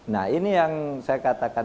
nah ini yang saya katakan